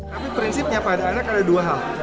tapi prinsipnya pada anak ada dua hal